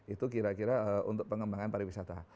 itu kira kira untuk pengembangan pariwisata